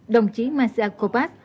đồng chí marica cobas